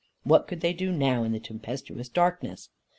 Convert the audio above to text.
What could they do now in the tempestuous darkness?